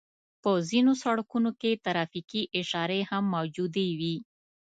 په ځينو سړکونو کې ترافيکي اشارې هم موجودې وي.